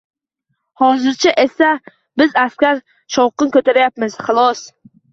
Hozircha esa biz aksar shovqin ko‘tarayapmiz, xolos.